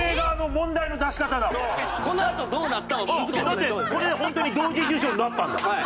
だってこれでホントに同時受賞になったんだもん。